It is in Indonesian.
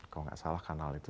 kalau nggak salah kanal itu